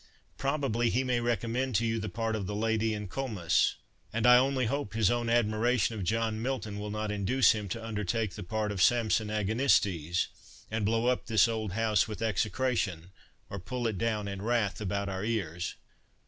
— Probably he may recommend to you the part of the Lady in Comus; and I only hope his own admiration of John Milton will not induce him to undertake the part of Samson Agonistes, and blow up this old house with execration, or pull it down in wrath about our ears."